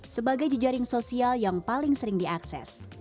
sebagai jejaring sosial yang paling sering diakses